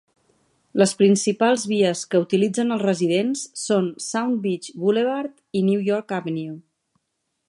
Les principals vies que utilitzen els residents són Sound Beach Boulevard i New York Avenue.